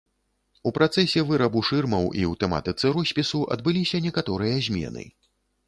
У працэсе вырабу шырмаў і ў тэматыцы роспісу адбыліся некаторыя змены.